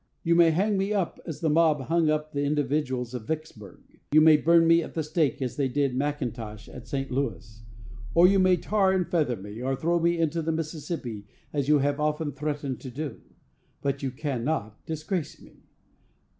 You may hang me up, as the mob hung up the individuals of Vicksburg! You may burn me at the stake, as they did McIntosh at St. Louis; or you may tar and feather me, or throw me into the Mississippi, as you have often threatened to do; but you cannot disgrace me.